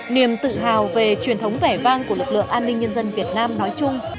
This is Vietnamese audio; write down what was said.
niềm tự hào về truyền thống vẻ vang của lực lượng an ninh nhân dân việt nam nói chung